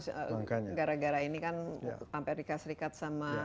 sekarang sekarang gara gara ini kan amerika serikat sama